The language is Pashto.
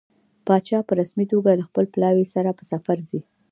پاچا په رسمي ډول له خپل پلاوي سره په سفر ځي.